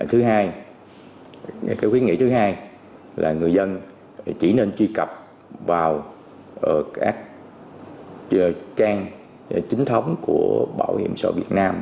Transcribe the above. thứ hai khuyến nghị thứ hai là người dân chỉ nên truy cập vào các trang chính thống của bảo hiểm xã hội việt nam